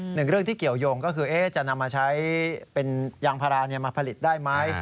หนึ่งเรื่องที่เกี่ยวยงก็คือจะนำมาใช้เป็นยางพารามาผลิตได้ไหม